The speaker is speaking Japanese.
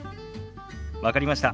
分かりました。